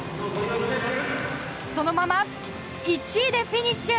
そのまま１位でフィニッシュ。